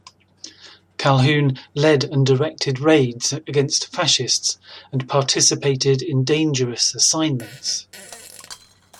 Calhoun led and directed raids against fascists and participated in dangerous assignments.